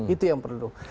itu yang perlu